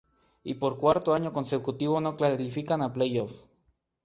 Y por cuarto año consecutivo no calificaban al Playoff.